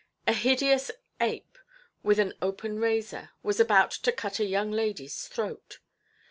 A hideous ape, with an open razor, was about to cut a young ladyʼs throat.